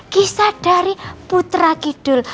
kisah dari putra kidul